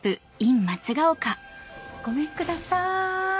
ごめんください。